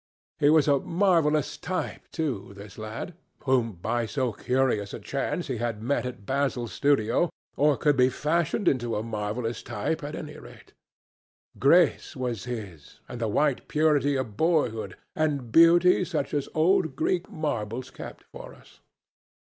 He was a marvellous type, too, this lad, whom by so curious a chance he had met in Basil's studio, or could be fashioned into a marvellous type, at any rate. Grace was his, and the white purity of boyhood, and beauty such as old Greek marbles kept for us.